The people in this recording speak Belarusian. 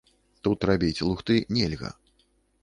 Тут рабіць лухты нельга.